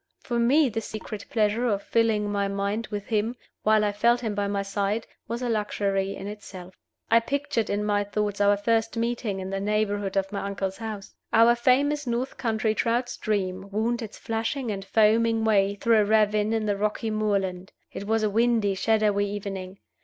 For me the secret pleasure of filling my mind with him, while I felt him by my side, was a luxury in itself. I pictured in my thoughts our first meeting in the neighborhood of my uncle's house. Our famous north country trout stream wound its flashing and foaming way through a ravine in the rocky moorland. It was a windy, shadowy evening.